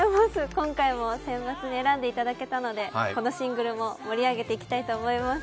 今回も選抜に選んでいただけたので、このシングルも盛り上げていきたいと思います。